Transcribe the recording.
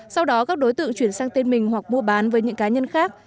sau đó các đối tượng chuyển sang tên mình hoặc mua bán với những cá nhân khác